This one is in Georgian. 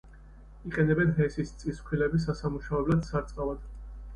იყენებენ ჰესის, წისქვილების ასამუშავებლად, სარწყავად.